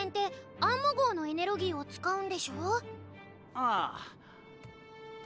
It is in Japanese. ああ。